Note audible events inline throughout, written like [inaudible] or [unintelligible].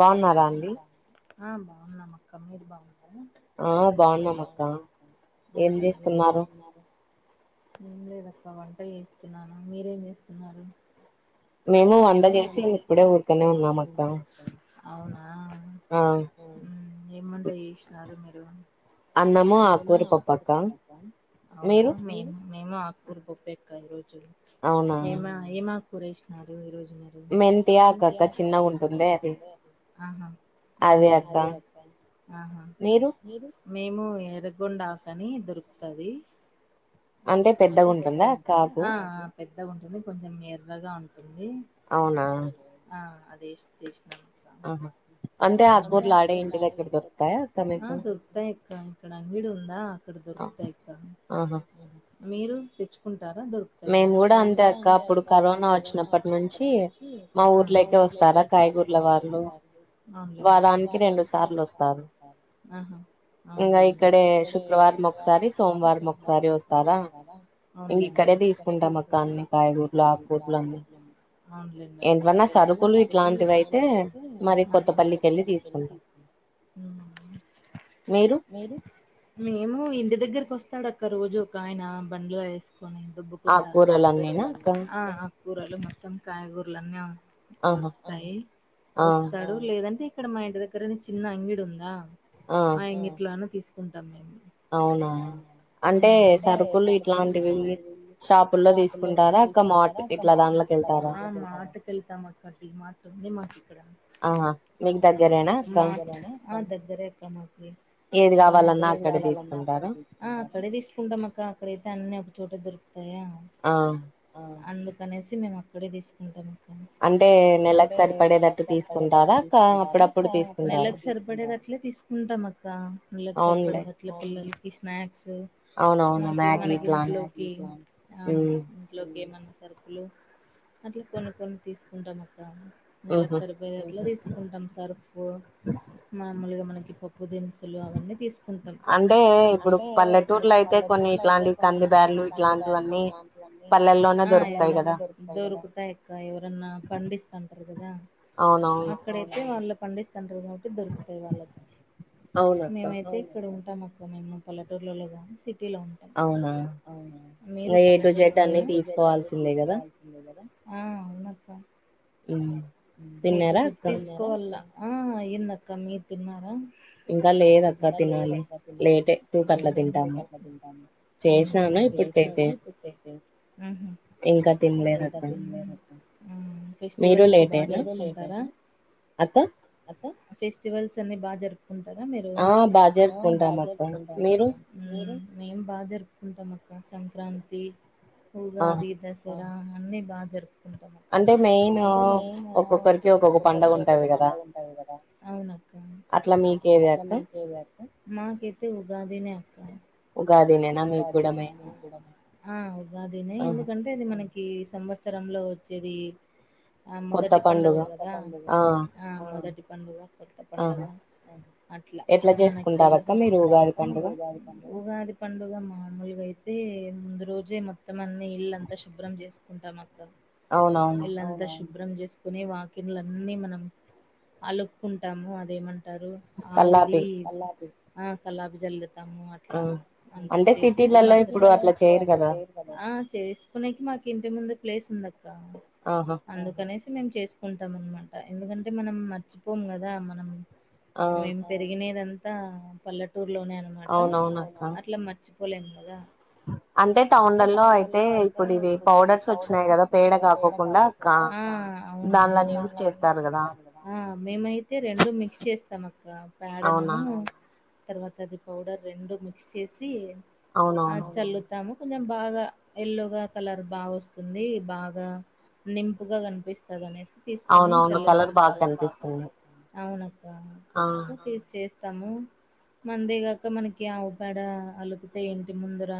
బాగున్నారా అండి. ఆ బాగున్నా అక్క మీరు బాగున్నారా. ఉం ఏం చేస్తూన్నారు. ఏం లేదక్క వంట చేస్తున్నాను మీరేం చేస్తున్నారు. మేము వంట చేేసి ఇప్పుడే ఊరికనే ఉన్నాం అక్క. ఆ హుమ్ ఏం వంట చేసినారు మీరు. డు అన్నము ఆకుకూర పప్పు మేము ఆకుకూర‌ పప్పే అక్కర్ ఈరోజు. ఏమా ఏమా. కురేష్నాల్. ఈరోజు. మెంతి ఆకు అక్క చిన్న గుంటుందే అదే అక్క మీరు మేము ఎరగగొండాకని దొరుకుతుంది అంటే పెద్దగ ఉంటుందా అక్క ఆకు [inaudible] ఉంటుంది కొంచెం ఎర్రగా ఉంటుంది ఆ అధి వేస్ట్ చేసినవ్ అంట దొరుకుతా ఇక్క ఇక్కడ అంగడ ఉందా అక్కడ దొరుకుతాయి ఇక్క మీరు తెచ్చుకుంటు ద మేము కూడా అంతే అక్కప్పుడు కరోనా వచ్చినప్పటి నుంచి మా ఊర్లోక వస్తారా కాయగూర్ల వారు వారానికి రెండు సార్లు వస్త అవుండి ఇ ఇక్కడ శుక్రవారం ఒకసారి సోమవారంసారి స్తారా ఆన్లైన్ లు హ మేము ఇంటి దగగర కొస్తాడక్క రోజు కాయన బండ్లో వేసు ని దుబ్బుకుంటా కూరలు మొత్తం కాయగూరలన్నీ దొరుకుతాయి వస్తాడు లేదంటే ఇక్కడ మాంటి దగ్గర చిన్న అంగిడు ఉందా ఆ ఎంగింట్లోనే తీసుకు కుంటాం మేము అవునా అంటే అంటే సరుపులు ఇట్లాంటివి షాపుల్లో తీసుకుంటారా అ మా ఇలా మాటకు వెళ్తాం అక్క మాట ఉంది మాకు ఇక్కడ ఆ దగ్గరే అక్క మాకు బా నా పడద అక్కడైతే అన్నిీ ఒక చోట దొకు అ అందు అనేసి మేము అక్కడే తీసుకుంటాము అంటే నెలకు సరిపడేదట్లు తీసుకుంటారా అ నెల్లలకు సరిపడేదట్లే తీసుకుంటాం అక్క నెళ్లలకు సరిపడేద అట్లా పిల్లలు స్నాక్స్ మనకి మనకి ఇంట్లోకి ఇంట్లోకి మన సరుకులు అట్లా కొన్ని కొన్ని తీసుకుంటాం నెలకు సరిపోయ తీసుకుంటాం సర్ఫ మామూలుగా మన - [inaudible] ఉప్పుు దినుసులు అవన్నీ తీసుకుంటాం అంటే ఇప్పుడు వాళ్ళ చోట్ల అయితే కొన్ని ఇట్లాంటి ప బలు ఇలాంటిన్నీ ఆ ఎల్లోన్నా ద దొరుకుతా ఇక్క ఎవరన్నా పండిస్తుంటారు కదా అక్కడైతే వాళ్ళ పండిత్ ండ ఒకటి దొరుకుతాయి వాళ్ళకి మేమైతే ఇక్కడ ఉ అంటా మొక్క మేము పల్లేటూరులో గోనేసి టీలో ఉంటా అవునా మీరు పల్లెటూరులో ఏ రూజ అయితే అన్ని తీసుకోవాల్సిందే కదా ఆ అవును అక్క ఏ టు జెడ్ తీసుకోవాల ఆ అయింది అక్క మీరూ తిన్నారా ఇంకా లేదక్క తినాలి లేటే టూకి అట్లా తింటాము చేశాను ఇప్పటికైతే ఇంకా తినలేదు ఫెస్టివల్స్ బాగా జరుగు [unintelligible] ఫెస్టివల్స్ అన్ని బాగా జరుపు కుంటార మీరు ఆ బాగా జరుపుకుంటాం అక్క మేం బాగా జరుపుకుంటాం అక్క సంక్రాంతి ఉగాది దసరా అన్నీ బాగా జరుప్ కంఠం అక్క అంటే మేము ఒక్కొక్కరికి ఒక్కొక్క పడుగ ఉంటుంది కదా అవునక్క అట్లా మీకు ఏది అక్క మాకైతే ఉగాది నే ఉగాది నే నా ఉగాదినే నా మీకు కూడా మెయిన్ ఎందుకంటే అది మనకి సంవత్సరంలో వచ్చేది ఆ మొదటి పండగగదా మొదటి పండుగ కొత్త పండుగ అట్లా మనకి ఎట్లా చేసుకుంటారు అక్క మీది ఉగాది పండుగా ఉగాది పండుగ మామూలుగా అయితే ముందు రోజే మొత్తం మన్ని ఇల్ అంతా శుభ్రం చేసు ఉంటాము ఇల్లంతా శుభ్రం చే కుని వాకిన్లన్నీ మనం అలుక్కుంటాము అదేమంట ారు హౌదీ అలా ఆ కల్లాబ్ి చళ్ళు తాము అట్లా అంతా చేసి కదా చేసుకునేకి మాకు ఇంట్ ముందు ప్లేస్ ఉందా అందుకనే మేము చేసుకుంటాం అనమాట ఎందుకంటే మనం మర్చిపోం కదా మనం మేం పెరిగినదంత పల్లట టూర్ లోనే అనమాట అవునువును మరిచిపోలే కదా అంటే టౌండల్లో అయితే ఇప్పుడు పౌడర్స్ వచ్చినయి కదా పేడ కాకుండా ఆహ్ అవునువును దంలా మీదకి వేస్తారు కదా మేము అయితే రెండు మిక్స్ తమ అకా పాడనను తర్వాత అది పౌడర్ రెండు మీ మిక్స్ చేసి ఆ చల్లుతాము కొంచెం బాగా యెల్లో గ కలర్ బాగా వస్తుంది బాగా నింపుగా కనిపిస్తుంది అనేసి తీసుకుని చల్ల అవును అందుకు [inaudible] స్తాము మందేగాక మనకి ఆ పడ అలుకుతే ఇంటి ముందర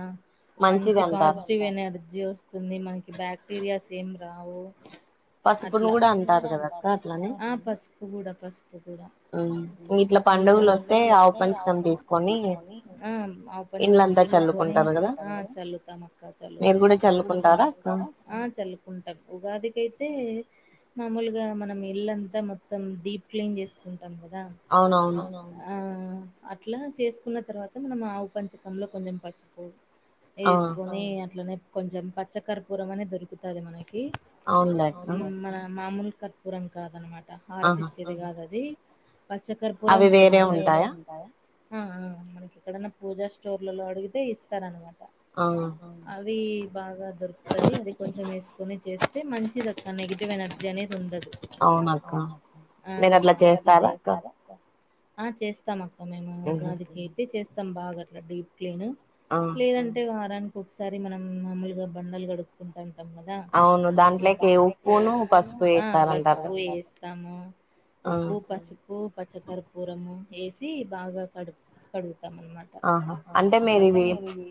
మంచి పాజిటివ్ ఎనర్జీ జ్యోస్ స్తుంది మనకి బ్యాక్టీరియాస్ ఏం రావు అట్లా ఆ పసుపు కూడా పసుపు ఆ ఆవు పంచిత్తము తీస్కొని ఆహ్ చల్లతం అక్క చల్లతం ఆహ్ చాలుకుంటాం మామూలుగా మనం ఇల్ంతా మొత్తం డీప్ క్లీన్ చేసుకుంట [inaudible] అవునువును అట్లా చేసుకున్న తర్వాత మనం ఆవు పంచతం లో కొంచెం పసుపు వేసుకొని అట్లనే కొంచెం పచ్చ కర పూరం అనే దొరుకుతది మనకి మన మామూలు కర్పురం కాదన్నమాట హారతి ఇచ్చేది కాదు అది పచ్చకర్పురం వేరు ఆ ఆ మనకి ఎక్కడనా పూజా స్టోర్లలో అడిగితే ఇస్తారనమాట ఆ అవి బాగా దొరుకుతది అది కొంచెం వేసుకొని చేస్తే మంచి నెగిటివ్ ఎనర్జీ అనేది ఉండదు అవున అక్క ఆ మీరట్లా చేస్తారాక్క ఆ చేస్తామా మేము ఉగాదికి అయితే చేస్తా తంబాగాట్లా డీప్ లేను లేదంటే వారానికి ఇంకోకసారి మనం మాములుగా బండాలు గడుకుంటాం మన్మధ అవును బ ఉప్పును పసుపేస్తారంటగా అ పసుపు ఏస్తా తాము ఉప్పు పసుపు పచ్చ కర్పూరము ఏసి బాగా కడు కడుగుత అన్న మాట అంటే మీరు ఇది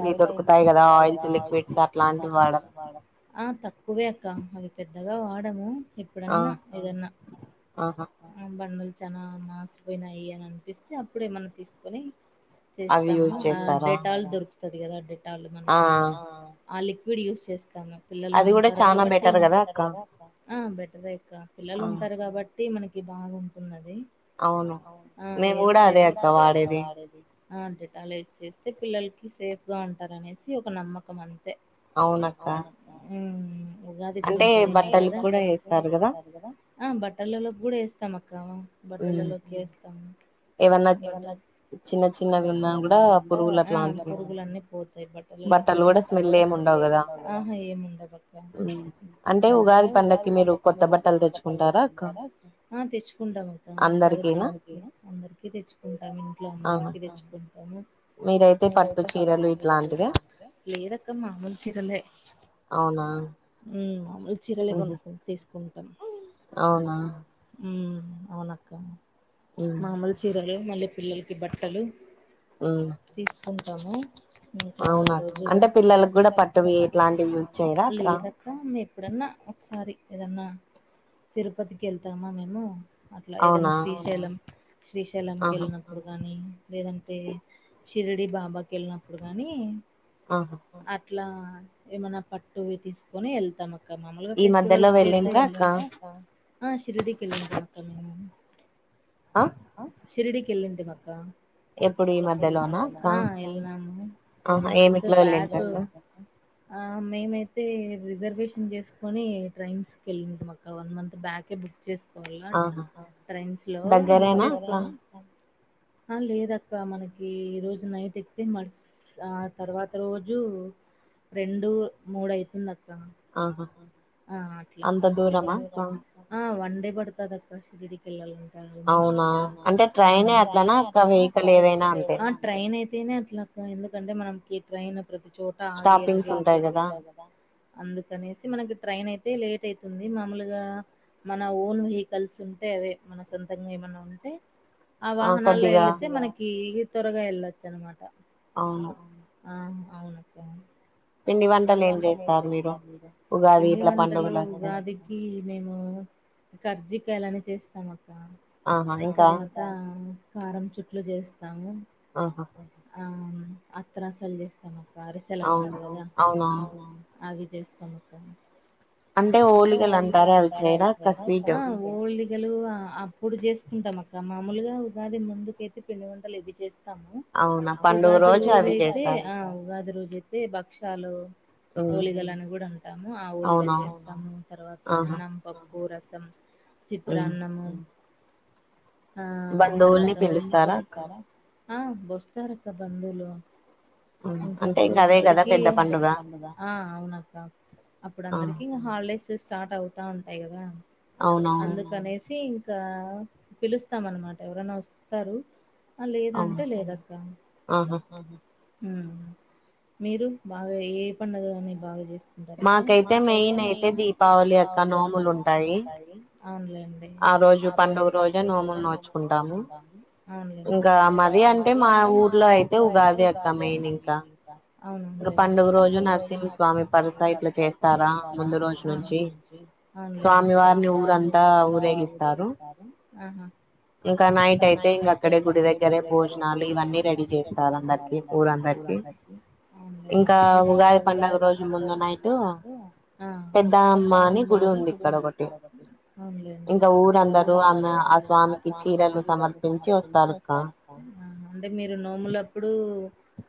బయట ఇవి దొక్కుతాయి కదా ఆల్ లిక్డ్ అట్లాంటివి అ తక్కువే ఆ అవి పెద్దగా వాడము ఎప్పుడన్నా ఏదన్నా బనూల్ చానా మసీపోయినాయి అనిపిస్తే అప్పుడే మనం తీసుకొని చేస్తాము ఆ డేటాలు దొరుకు తదిగా డే డెటాల్ మనకి ఆ ఆ లిక్విడ్ యూజ్ చేస్తాము పిల్లలు అంటారు కాబట్టి చాలా బెటర్ కదా అక్క ఆ బెటరె అక్క పిల్లలు ఉంటారు కాబట్టి ఇది మనకి బాగు ఉంటున్నది అవును అ ఏస్తే కూడా అదే అక్క వాడేది ఆ డటాలైజ్ చేస్తే పిల్లలకి సేఫ్ గా ఉంటారనేసి ఒక నమ్మకం అంతే అవును అక్క ఉ ఉగాది గురించి అడిగినర్ కదా అంటే బట్టాల్లో వేస్తారు కదా ఆ బట్టలలో కూడా వస్త తమ క్కవా బట్టలలోకి వేస్తాము ఏమైనా చిన్న చిన్నగా ఉండంగ పురుగులున్నీ పోతాయి బట్టలగు కూడా ఏం స్మెల్ ఉండవ్ గా అక్క అ హా ఏం ఉండవ్ అంటే ఉగాది పండ కి మీరు కొత్త బట్టలు తెచ్చుకుంటారా ఆ తెచ్చుకుంటం అక్క ఉగాది పండకి అందరికి తెచ్చుకుంటాం ఇంట్లో అందరిక తెచ్చుకుంటా లేదక్క మాములు చీరలే. మ్మ్ [unintelligible] చీరాలే కొని కొని తీసు కుంటాం అవునా మ్మ్ అవునక్క మామూలు చీరలే మళ్ళీ పిల్లలకి బట్టలు ఆ కుంటము ఇంకా ఆ రోజు ఇగ లేద ఎప్పుడన్నా ఒకసారి ఏదన్నా తిరుపతికి వెళ్తామా మేము అట్లా ఏదైనా శ్రీశైలం శ్రీశైలం కి వెళ్ళినప్పుడు గాని లేదంటే షిరిడి బాబాకి వెళ్ళినప్పుడు గానీ ఆ హా ఇట్లా ఏమన పట్టువి తిస్ కొని ఎళ్తము ఇక మాములుగా ఫెస్టివల్ కి అయితే, ఆ షిరిడీకి ఎళ్ళింటిమి అక్క మేము. ఆ షిరిడీకి ఎళ్ళింటిమి అక్క ఆ ఎల్లినాము వన్ మంత్ బ్యాక్ ఆ మేమైతే రిజర్వేషన్ చేసుకొని ట్రైన్స్ కి వెళ్ళింటిమక్క వన్ మంత్ బ్యాకే బుక్ చేసుకోవాలా ట్రైన్స్ లో బుక్ చేసుకొని ఆ లేదక్క మనకి ఈ రోజు నైట్ ఎక్తే మర్స్ ఆ తర్వాత రోజు రెండు, మూడు అయితుంది అ క్క ఆ అట్లా మన్కి దా ఆ వన్ డే బడుతది అక్క షిరిడికెళ్ళాలం ఆల్మోస్ట్ మ్మ్ అ ట్రైనే ట్రైనే అట్ల అక్క ఎందుకంటే మనం కి ట్రైన్ ప్రతిచోట ఆగి ఆగి ఎల్తది కదా. అందుకనేసి మనకి ట్రైన్ అయితే లేట్ అయితుంది. మామూలుగా మన ఓన్ వెహికల్స్ ఉంటే, అవే మన సొంతంగా ఏమైన్నా ఉంటే ఆ వాహనాల్లో ఎళ్ళితే మనకీ ఇ త్వరగా ఎళ్ళొచ్చు అనమాట అవును ఆ అవునక్కా పిండి వంటలు ఉగాదికి మేము కర్జీకాయిలని చేస్తామ క్కా తర్వాత కారం చుట్లు చేస్త్ ఆహా ఆమ్ అత్రసల్ చేస్తామ క అరిసెలంటారు కదా అవునా జేస్తామక్కా అంటే ఓలిగలంటారే అవి చేయరా క స్వీట్ గలు అప్పుడు జేసుకుంటామక్కా మామూలుగా ఉగాది ముందుకైయితే పిండి వంటలు ఇవి జేస్త ఉగాది రోజు అయితే ఆ ఉగాది రోజు యెతే భక్షాలు ఓలిగలని కూడా అంటాము ఆ ఓలిగలు జేస్తాం తర్వాత అన్నం పప్ప్ ఓ రసం చిత్రాన్నము ఆ తర్వాత ఆ బొస్తారక్క బంధువులు మ్మ్ అంటే ఇంగా అదే కదా పెద్ద పండుగ ఆ అవునక్కా అప్పుడు అందరికి హాలిడేసేస్ స్టార్ట్ అవుతా ఉంటాయి కదా అందుకనేసి పిలుస్తామనమాట ఎవరైనా వస్తారు లేదంటే లేదక్క హ్మ్ మీరు బాగా ఏ పండగని బాగా జేస్ మాకైతే మెయిన్ అయితే దీపావళి అక్క నోములుంటాయి అవున్లేండి అవున్లేండి అవున్లే ముందు రోజు నరసింహ స్వామి కనుసైగ చేస్తారా ముందు రోజు నుంచి. స్వామి వారిని ఊరంతా ఊరేగిస్తారు. ఇంకా నైట్ అయితే ఇంక్కడే గుడి దగ్గరే భోజనాలు ఇవన్ని రెడీ చేస్తారందరికి ఊరందరికి. ఎ ఆ అవున్లేండి. ఆహా అంటే మీరు నోములప్పుడూ,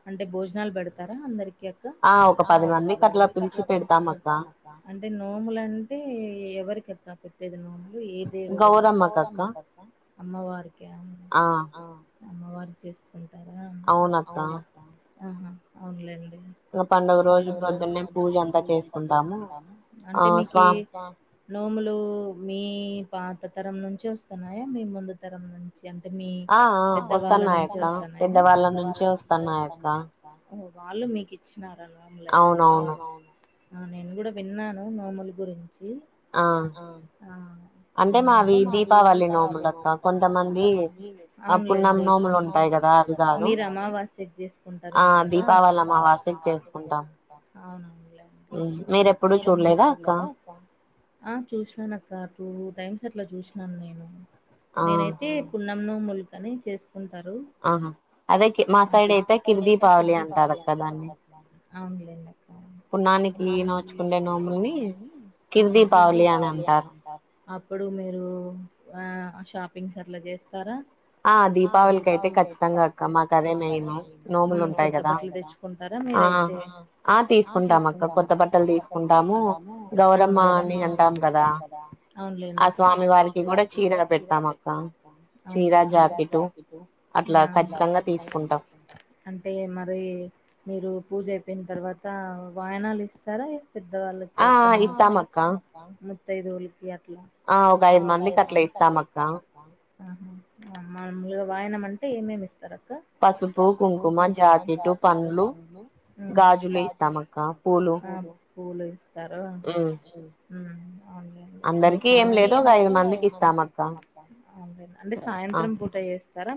అంటే భోజనాలు పెడతారా అందరికి అక్ అంటే నోముల్ అంటే ఎవరికెక్ క్క పెట్టేది నోముల్ ఏదేవుడు అమ్మా వారికా అమ్మవారు చేసుకుంట్ అవునక్కా ఆహా అవునులేండి అంటే మీకీ నోములూ మీ పాత తరం నుంచి వస్తున్నాయా మీ ముందు తరం నుంచి. అంటే మీ పెద్దవాళ్ళ నుంచి వస్తున్నాయా వాళ్ళు మీకి చ్చిన్నార నోములైతే నేను కూడా విన్నాను నోములు గురిం ఆ విన్నాను. అవున్లేండి. మీరు అమావాస్యకి చేసుకుంటారేమో గదా. అవునండి ఆ చూసినాన్నక్క టూ టైమ్స్ అట్ల చూశినాను నేను నేనైతే పున్న నోముల్కని చేస్ ఆహా, అదే మా సైడ్ అయితే కిర్ దీపావళి అంటారు అక్క దాన్ని. అవున్లేండి పున్నానికి నోచుకునే నోమునీ కిర్ దీపావళి అని అంటారు. అప్పుడు మీరూ ఆ షాపింగ్స్ అట్ల చేస్తారా. ఆ దీపావళికి అయితే ఖచ్చితంగా అక్క మాకు అదే మెయిన్. నోములు ఉంటాయి కదా తీకుంటారా మీరైతే అవున్లేండి అవున్లేండి అక్కా అవున్లేండి ఆ అంటే మరీ మీరూ పూజ అయిపోయిన్ తర్వాతా వాయనాలు ఇస్తారా పెద్ద వాళ్ళకి ఎవరికన్నా ముత్తైదువులకీ అట్ ఆ ఒక ఐదు మందికి అట్లా ఇస్తామక్క ఆహా [unintelligible] వాయనం అంటే ఏమేమి ఇస్తాం పసుపు కుంకుమ జాకెట్టు పం పన్లు గాజులు ఇస్తాం అక్క పూలు ఇస్తాం తారు ఉ అవుండి అంటే సాయం లేా అవు అంటే సాయంత్రం పూట చేస్త తరం